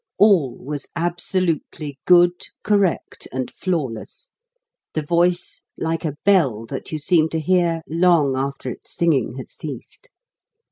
All was absolutely good, correct, and flawless, the voice like a bell that you seemed to hear long after its singing had ceased.